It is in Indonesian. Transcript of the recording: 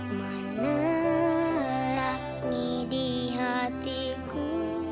menerangi di hatiku